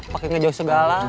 pakai ngejauh segala